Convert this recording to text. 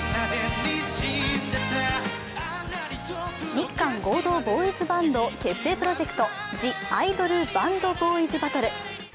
日韓合同ボーイズバンド結成プロジェクト「ＴＨＥＩＤＯＬＢＡＮＤ：ＢＯＹ’ｓＢＡＴＴＬＥ」